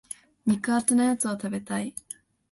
肉厚なやつ食べたい。